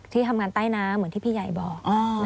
ที่ทำงานใต้น้ำเหมือนที่พี่ใหญ่บอก